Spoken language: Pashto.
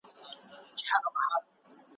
قدم وهلو ته تللی وم `